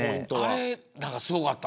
あれ、すごかった。